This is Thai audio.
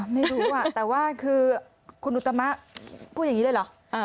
ไม่รู้แต่ว่าคือคุณอุตมะพูดอย่างนี้เลยเหรอ